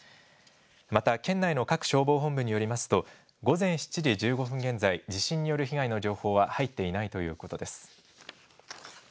また県内の各消防本部によりますと、午前７時１５分現在、地震による被害の情報は入っていないということです。